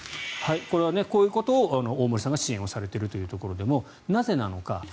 これはこういうことを大森さんが支援されているということでなぜなのか。